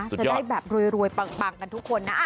จะได้แบบรวยปังกันทุกคนนะ